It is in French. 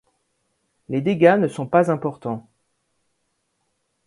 Les dégâts ne sont pas importants.